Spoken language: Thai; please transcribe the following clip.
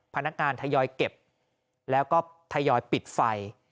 พนักงานทยอยเก็บแล้วก็ทยอยปิดไฟ